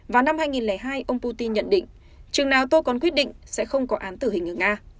vào năm hai nghìn hai ông putin nhận định chừng nào tôi còn quyết định sẽ không có án tử hình ở nga